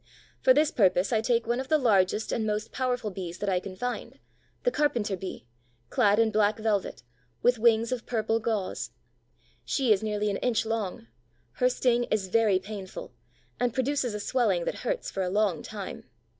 For this purpose I take one of the largest and most powerful Bees that I can find, the Carpenter bee, clad in black velvet, with wings of purple gauze. She is nearly an inch long; her sting is very painful and produces a swelling that hurts for a long time.